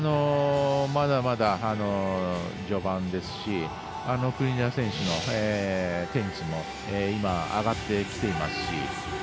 まだまだ序盤ですし国枝選手のテニスも今、上がってきていますし。